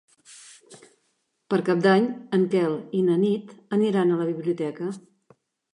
Per Cap d'Any en Quel i na Nit aniran a la biblioteca.